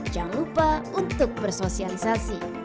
jangan lupa untuk bersosialisasi